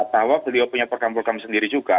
bahwa beliau punya program program sendiri juga